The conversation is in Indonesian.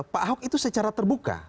pak ahok itu secara terbuka